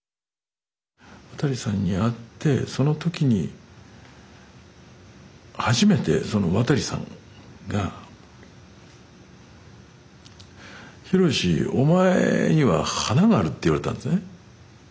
渡さんに会ってその時に初めてその渡さんが「ひろしお前には華がある」って言われたんですね。